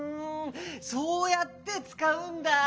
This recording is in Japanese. そうやってつかうんだ。